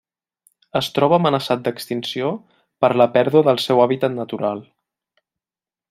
Es troba amenaçat d'extinció per la pèrdua del seu hàbitat natural.